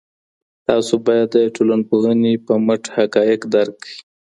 تاسو باید د ټولنپوهنې په مټ حقایق درک کړئ.